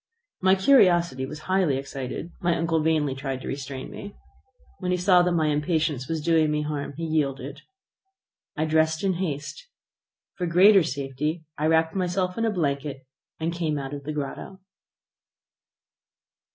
My curiosity was highly excited, my uncle vainly tried to restrain me. When he saw that my impatience was doing me harm, he yielded. I dressed in haste. For greater safety I wrapped myself in a blanket, and came out of the grotto.